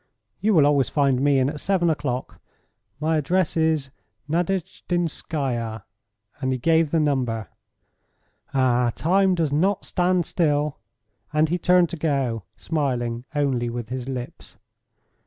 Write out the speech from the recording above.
You will always find me in at seven o'clock. My address is Nadejdinskaya," and he gave the number. "Ah, time does not stand still," and he turned to go, smiling only with his lips.